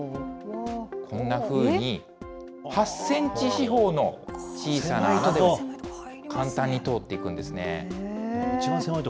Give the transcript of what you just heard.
こんなふうに、８センチ四方の小さな穴でも簡単に通っていくんですね。